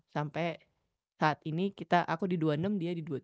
sampai saat ini kita aku di dua puluh enam dia di dua puluh tujuh